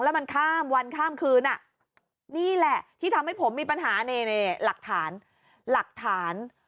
แล้วมันข้ามวันข้ามคืนอ่ะนี่แหละที่ทำให้ผมมีปัญหานี่หลักฐานหลักฐาน